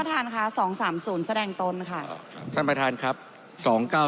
ท่านค่ะสองสามศูนย์แสดงตนค่ะท่านประธานครับสองเก้า